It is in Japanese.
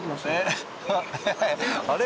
あれ？